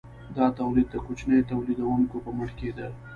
دا تولید د کوچنیو تولیدونکو په مټ کیده.